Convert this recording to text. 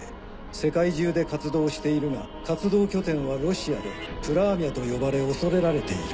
世界中で活動しているが活動拠点はロシアでプラーミャと呼ばれ恐れられている。